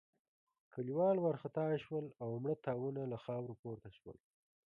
کليوال وارخطا شول او مړه تاوونه له خاورو پورته شول.